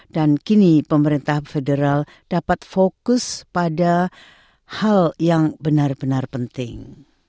dan kini pemerintah federal dapat fokus pada hal yang benar benar penting